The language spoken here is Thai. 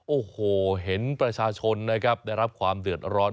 โอ้โหเห็นประชาชนนะครับได้รับความเดือดร้อน